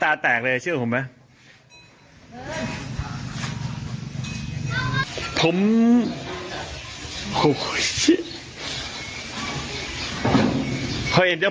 พี่ปั๊ดเดี๋ยวมาที่ร้องให้